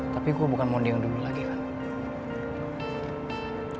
tapi gue bukan mondi yang demi lagi van